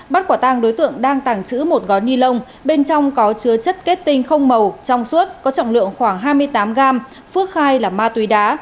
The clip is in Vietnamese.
bắt quả tang đối tượng đang tàng trữ một gói ni lông bên trong có chứa chất kết tinh không màu trong suốt có trọng lượng khoảng hai mươi tám gram phước khai là ma túy đá